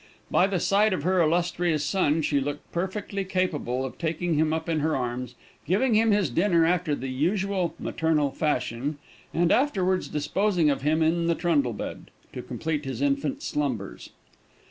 By the side of her illustrious son, she looked perfectly capable of taking him up in her arms, giving him his dinner after the usual maternal fashion, and afterwards disposing of him in the trundle bed, to complete his infant slumbers.